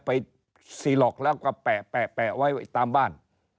ไปซีหลอกแล้วก็แปะไว้ตามบ้าน